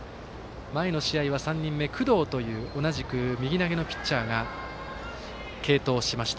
前の試合は３人目、工藤という同じく右投げのピッチャーが継投しました。